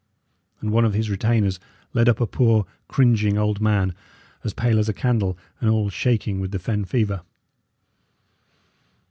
And one of his retainers led up a poor, cringing old man, as pale as a candle, and all shaking with the fen fever.